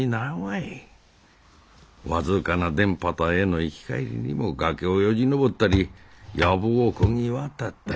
僅かな田畑への行き帰りにも崖をよじ登ったり藪をこぎ渡ったり。